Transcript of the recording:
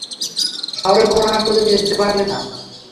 শহরের কোন হাসপাতালে নিয়ে যেতে পারলে না?